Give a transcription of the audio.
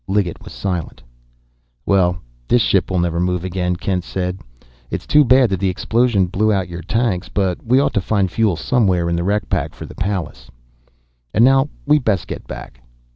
Liggett was silent. "Well, this ship will never move again," Kent said. "It's too bad that the explosion blew out your tanks, but we ought to find fuel somewhere in the wreck pack for the Pallas. And now we'd best get back."